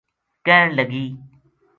کہن لگی